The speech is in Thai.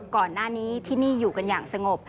ก่อนหน้านี้ที่นี่อยู่กันอย่างสงบ